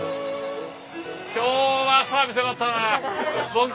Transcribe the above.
今日はサービス良かったな。